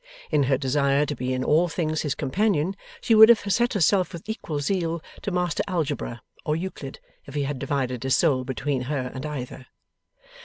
In her desire to be in all things his companion, she would have set herself with equal zeal to master Algebra, or Euclid, if he had divided his soul between her and either.